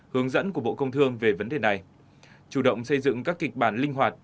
hướng dẫn của bộ công thương về vấn đề này chủ động xây dựng các kịch bản linh hoạt